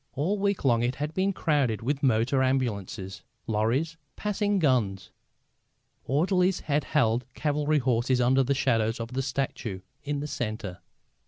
All week long it had been crowded with motor ambulances, lorries, passing guns. Orderlies had held cavalry horses under the shadow of the statue in the centre.